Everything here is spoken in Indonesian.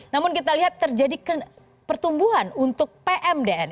namun kita lihat terjadi pertumbuhan untuk pmdn